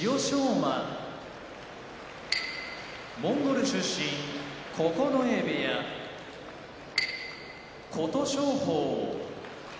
馬モンゴル出身九重部屋琴勝峰